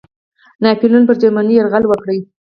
ناپلیون پر جرمني یرغل وکړ.